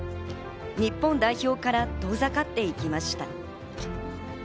日本代表から遠ざかっていきました。